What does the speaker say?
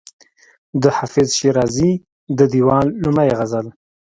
د حافظ شیرازي د دېوان لومړی غزل.